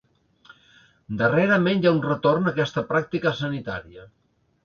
Darrerament hi ha un retorn a aquesta pràctica sanitària.